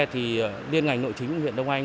thì liên ngành nội chính huyện đồng anh